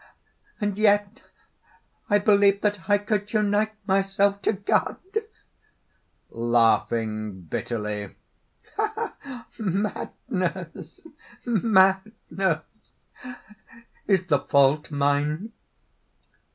"And yet I believed that I could unite myself to God!" (Laughing bitterly): "Ah! madness! madness! Is the fault mine?